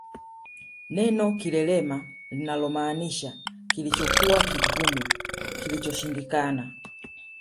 Neno kilelema linalomaanisha kilichokuwa vigumu kilichoshindikana